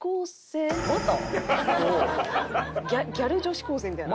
ギャル女子高生みたいな。